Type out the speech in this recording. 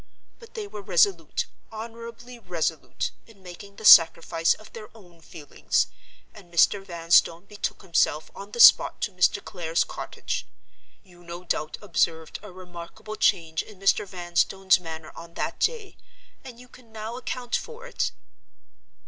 But they were resolute, honorably resolute, in making the sacrifice of their own feelings; and Mr. Vanstone betook himself on the spot to Mr. Clare's cottage.—You no doubt observed a remarkable change in Mr. Vanstone's manner on that day; and you can now account for it?"